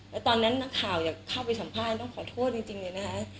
แล้วตอนนั้นนักข่าวอยากเข้าไปสัมภาษณ์ต้องขอโทษจริงเลยนะคะ